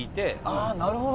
ああなるほど！